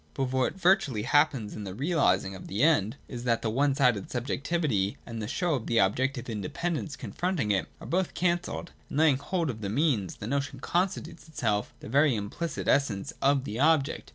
212.] But what virtually happens in the realising of the End is that the one sided subjectivity and the show of ob jective independence confronting it are both cancelled. In laying hold of the means, the notion constitutes itself the very impHcit essence of the object.